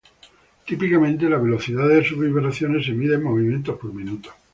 Típicamente, la velocidad de sus vibraciones se mide en movimientos por minuto.